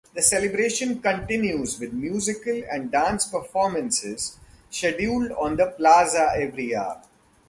The celebration continues with musical and dance performances scheduled on the Plaza every hour.